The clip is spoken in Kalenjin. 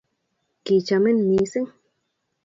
kichomin mising